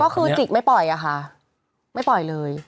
ก็คือจิกไม่ปล่อยอะค่ะไม่ปล่อยเลย